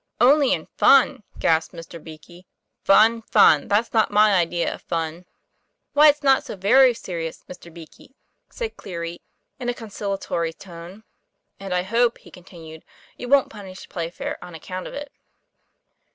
"Only in fun!" gasped Mr. Beakey. "Fun! fun! that's not my idea of fun." "Why, it's not so very serious, Mr. Beakey," said Cleary, in a conciliatory tone. ;* And I hope," he continued, 'you wont punish Playfair on account of it."